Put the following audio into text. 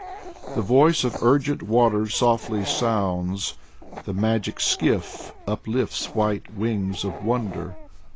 The voice of urgent waters softly sounds; The magic skiff uplifts white wings of wonder.